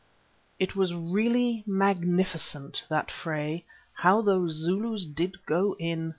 It was really magnificent, that fray. How those Zulus did go in.